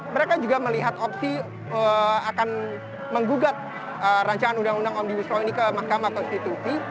mereka juga melihat opsi akan menggugat rancangan undang undang omnibus law ini ke mahkamah konstitusi